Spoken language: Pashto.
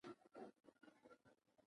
دا د پانګوالي نظام د له منځه وړلو وسیله ده